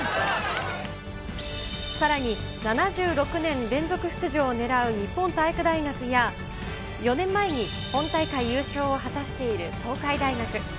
さらに、７６年連続出場をねらう日本体育大学や、４年前に本大会優勝を果たしている東海大学。